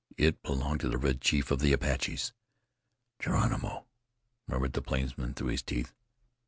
It belonged to the Red Chief of the Apaches. "Geronimo!" murmured the plainsman through his teeth.